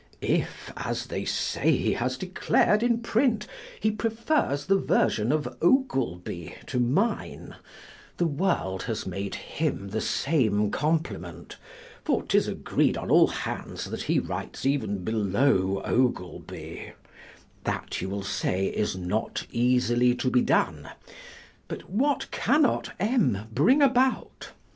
If (as they say he has declar'd in print) he prefers the version of Ogleby to mine, the world has made him the same compliment: for 't is agreed on all hands, that he writes even below Ogleby: that, you will say, is not easily to be done; but what cannot M bring about?